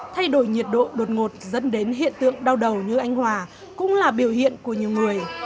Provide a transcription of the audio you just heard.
thay đổi nhiệt độ đột ngột dẫn đến hiện tượng đau đầu như anh hòa cũng là biểu hiện của nhiều người